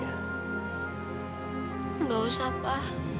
gak usah pa